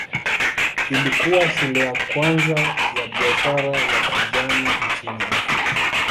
Ilikuwa shule ya kwanza ya biashara ya kijani nchini Afrika.